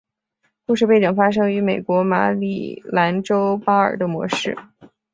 故事背景发生于美国马里兰州巴尔的摩市。